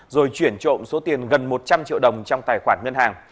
rồi chuyển trộm số tiền gần một trăm linh triệu đồng trong tài khoản ngân hàng